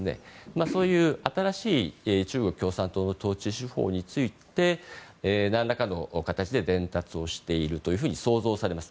そういう新しい中国共産党の統治手法について何らかの形で伝達をしていると想像されます。